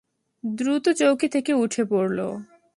দ্রুত চৌকি থেকে উঠে পড়ল।